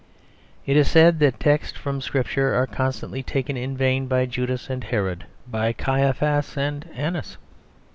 It is said that texts from Scripture are constantly taken in vain by Judas and Herod, by Caiaphas and Annas.